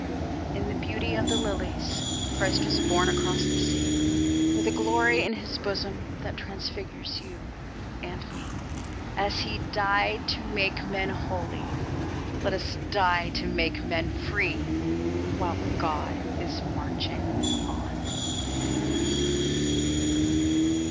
In the beauty of the lilies Christ was born across the sea, With a glory in his bosom that transfigures you and me: As He died to make men holy, let us die to make men free, While God is marching on.